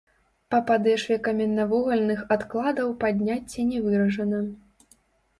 Па падэшве каменнавугальных адкладаў падняцце не выражана.